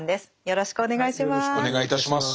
よろしくお願いします。